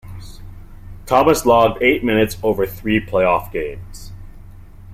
Thomas logged eight minutes over three playoff games.